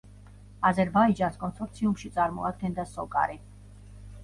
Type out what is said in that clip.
აზერბაიჯანს კონსორციუმში წარმოადგენდა სოკარი.